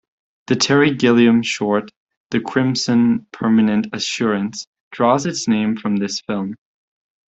The Terry Gilliam short, "The Crimson Permanent Assurance," draws its name from this film.